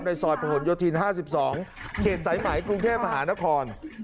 ซอยประหลโยธิน๕๒เขตสายไหมกรุงเทพมหานคร